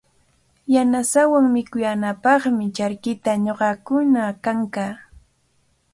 Yanasaawan mikunaapaqmi charkita ñuqakuna kankaa.